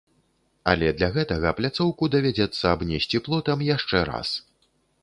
Але для гэтага пляцоўку давядзецца абнесці плотам яшчэ раз.